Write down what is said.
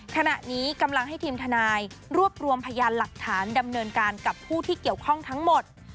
ขณะนี้กำลังให้ทีมทนายรวบรวมพยานหลักฐานดำเนินการกับผู้ที่เกี่ยวข้องทั้งหมด